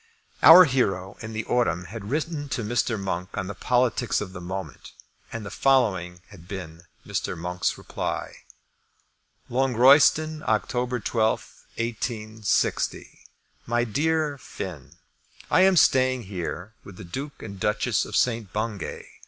Our hero in the autumn had written to Mr. Monk on the politics of the moment, and the following had been Mr. Monk's reply: Longroyston, October 12, 186 . MY DEAR FINN, I am staying here with the Duke and Duchess of St. Bungay.